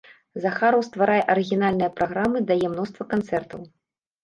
Захараў стварае арыгінальныя праграмы, дае мноства канцэртаў.